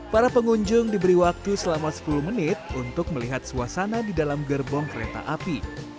para pengunjung diberi waktu selama sepuluh menit untuk melihat suasana di dalam gerbong kereta api